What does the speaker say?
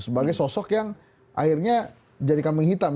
sebagai sosok yang akhirnya jadi kambing hitam